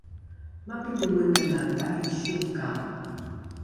mapito menanae ta’isiokang